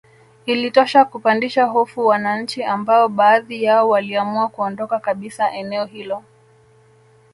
Ilitosha kupandisha hofu wananchi ambao baadhi yao waliamua kuondoka kabisa eneo hilo